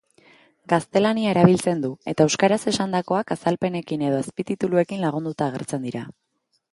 Gaztelania erabiltzen du, eta euskaraz esandakoak azalpenekin edo azpitituluekin lagunduta agertzen dira.